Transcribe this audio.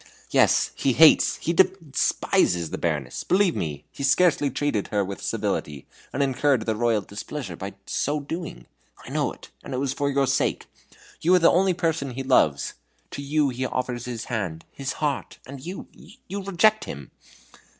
"Yes he hates, he despises the Baroness. Believe me, he scarcely treated her with civility, and incurred the Royal displeasure by so doing. I know it; and it was for your sake. You are the only person he loves to you he offers his hand, his heart and you! you reject him!"